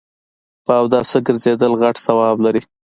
په اوداسه ګرځیدل غټ ثواب لري